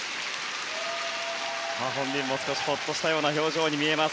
本人も少し、ほっとしたような表情に見えます。